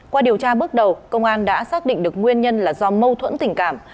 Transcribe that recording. qua điều tra bước đầu công an đã xác định được nguyên nhân là do mâu thuẫn tình cảm